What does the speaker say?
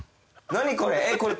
何これ？